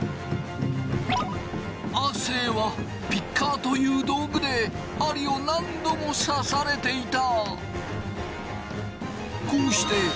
亜生はピッカーという道具で針を何度も刺されていた！